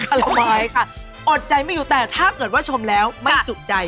ร้อยค่ะอดใจไม่อยู่แต่ถ้าเกิดว่าชมแล้วไม่จุใจ